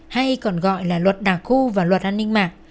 hay còn gọi là luật đà khu và luật an ninh mạc